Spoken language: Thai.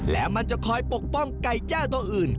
และมันจะคอยปกป้องไก่แจ้ตัวอื่น